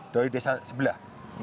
dari desa sebelah